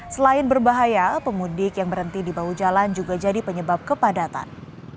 selain berbahaya pemudik yang berhenti di bahu jalan juga jadi penyebab kepadatan